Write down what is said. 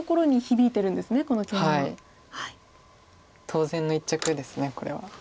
当然の一着ですこれは。